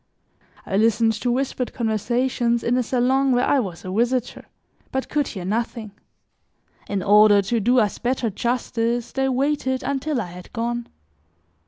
I listened to whispered conversations in a salon where I was a visitor, but could hear nothing; in order to do us better justice, they waited until I had gone.